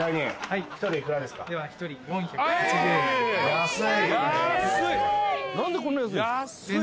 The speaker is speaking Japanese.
安い。